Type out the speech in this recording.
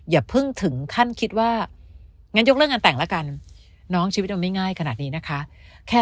อย่าเพิ่งถึงขั้นคิดว่าน้องชีวิตมันไม่ง่ายขนาดนี้นะคะแค่